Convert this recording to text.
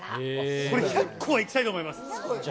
これ、１００個はいきたいと思います。